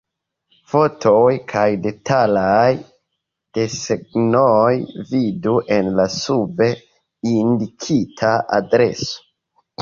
Fotoj kaj detalaj desegnoj vidu en la sube indikita adreso.